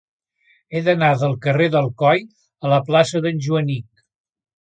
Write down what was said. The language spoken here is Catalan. He d'anar del carrer d'Alcoi a la plaça d'en Joanic.